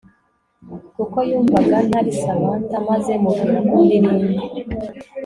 Kuko yumvaga ntari Samantha maze mubwira ko ndi Linda